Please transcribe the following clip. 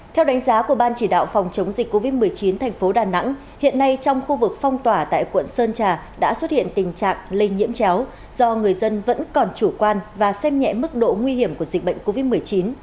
theo đánh giá của ban chỉ đạo phòng chống dịch covid một mươi chín thành phố đà nẵng hiện nay trong khu vực phong tỏa tại quận sơn trà đã xuất hiện tình trạng lây nhiễm chéo do người dân vẫn còn chủ quan và xem nhẹ mức độ nguy hiểm của dịch bệnh covid một mươi chín